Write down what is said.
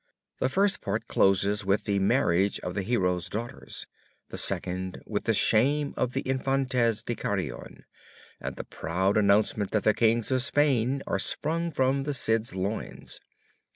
The first part closes with the marriage of the hero's daughters; the second with the shame of the Infantes de Carrion, and the proud announcement that the Kings of Spain are sprung from the Cid's loins.